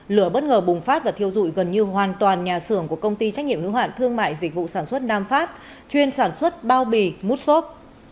lửa bất ngờ bùng phát và thiêu dụi gần như hoàn toàn nhà xưởng của công ty trách nhiệm hữu hạn thương mại dịch vụ sản xuất nam pháp chuyên sản xuất bao bì mút xốp